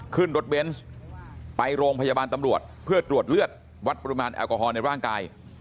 ขึ้นรถเบนส์ไปโรงพยาบาลตำรวจเพื่อตรวจเลือดวัดปริมาณแอลกอฮอลในร่างกาย